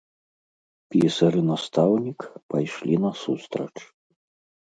Пісар і настаўнік пайшлі насустрач.